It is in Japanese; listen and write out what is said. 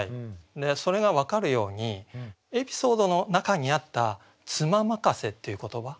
それが分かるようにエピソードの中にあった「妻任せ」っていう言葉